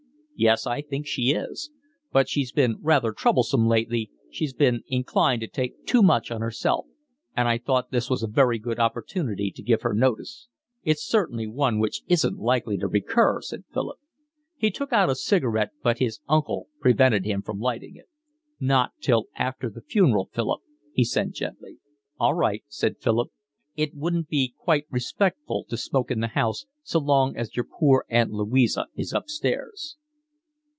"Yes, I think she is. But she's been rather troublesome lately, she's been inclined to take too much on herself, and I thought this was a very good opportunity to give her notice." "It's certainly one which isn't likely to recur," said Philip. He took out a cigarette, but his uncle prevented him from lighting it. "Not till after the funeral, Philip," he said gently. "All right," said Philip. "It wouldn't be quite respectful to smoke in the house so long as your poor Aunt Louisa is upstairs."